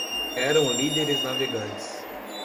Eram líderes navegantes